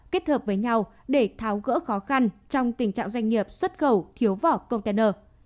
kết hợp với nhau để tháo gỡ khó khăn trong tình trạng doanh nghiệp xuất khẩu thiếu vỏ container